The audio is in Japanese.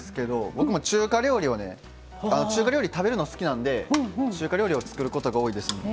中華料理を食べるのが好きなんで中華料理を作ることが多いですね。